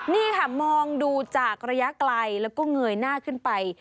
นี่ค่ะมองดูจากระยะไกลแล้วก็เงยหน้าขึ้นไป